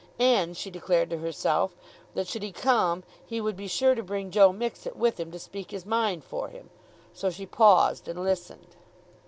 And, she declared to herself, that should he come he would be sure to bring Joe Mixet with him to speak his mind for him. So she paused and listened.